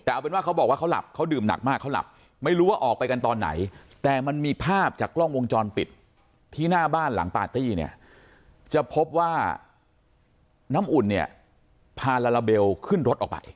แต่เอาเป็นว่าเขาบอกว่าเขาหลับเขาดื่มหนักมากเขาหลับไม่รู้ว่าออกไปกันตอนไหนแต่มันมีภาพจากกล้องวงจรปิดที่หน้าบ้านหลังปาร์ตี้เนี่ยจะพบว่าน้ำอุ่นเนี่ยพาลาลาเบลขึ้นรถออกไป